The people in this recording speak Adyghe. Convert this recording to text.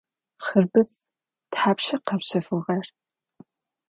Хъырбыдз тхьапша къэпщэфыгъэр?